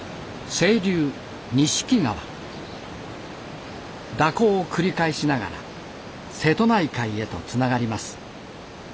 清流蛇行を繰り返しながら瀬戸内海へとつながります。